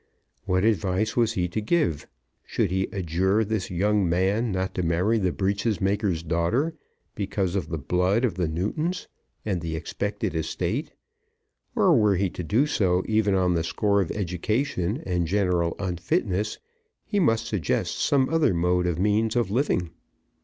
What advice was he to give? Should he adjure this young man not to marry the breeches maker's daughter because of the blood of the Newtons and the expected estate, or were he to do so even on the score of education and general unfitness, he must suggest some other mode or means of living.